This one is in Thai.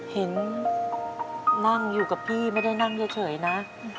เห็นนั่งอยู่กับพี่ไม่ได้นั่งเฉยนะ